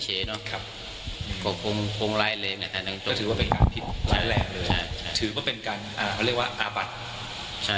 ใช่เป็นอาบัตช์